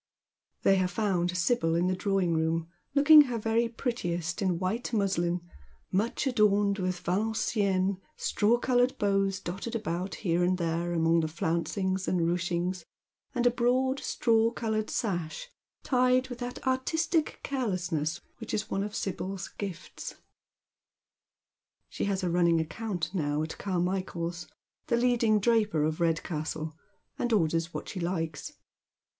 The/ have found Sibyl in the di"awing room, looking her veiy 124 Dead Men's Shoea. prettiest in white muslin, much adorned with Valenciennes, straw coN)ured bows dotted about here and there among the flouncinc^a and ruchings, and a broad straw coloured sash tied with that artistic carelessness which is one of Sibyl's gifts. She has a running account now at Camiichaers, the leading draper of Red castle, and orders what she likes.